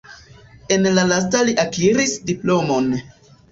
En la lasta li akiris diplomon.